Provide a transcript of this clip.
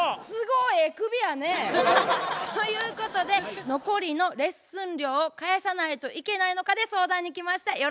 都合ええ首やね。ということで残りのレッスン料を返さないといけないのかで相談に来ました。